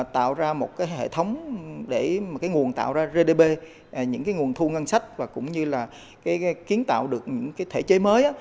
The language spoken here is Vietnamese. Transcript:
tạo ra một cái hệ thống để cái nguồn tạo ra gdp những cái nguồn thu ngân sách và cũng như là kiến tạo được những cái thể chế mới